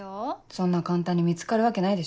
そんな簡単に見つかるわけないでしょ。